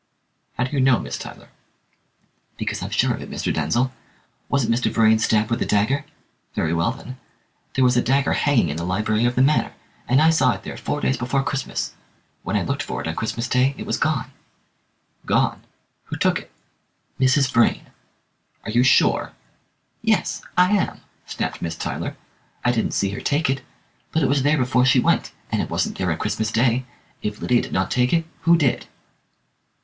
"How do you know, Miss Tyler?" "Because I'm sure of it, Mr. Denzil. Wasn't Mr. Vrain stabbed with a dagger? Very well, then. There was a dagger hanging in the library of the Manor, and I saw it there four days before Christmas. When I looked for it on Christmas Day it was gone." "Gone! Who took it?" "Mrs. Vrain!" "Are you sure?" "Yes, I am!" snapped Miss Tyler. "I didn't see her take it, but it was there before she went, and it wasn't there on Christmas Day. If Lydia did not take it, who did?"